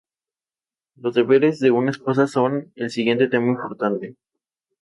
Los deberes de una esposa son el siguiente tema importante.